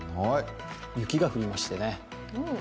雪が降りましてね